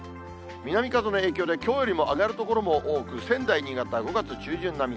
南風の影響で、きょうよりも上がる所も多く、仙台、新潟、５月中旬並み。